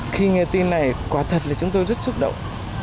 khi nghe tin này quả thật là chúng tôi rất xúc động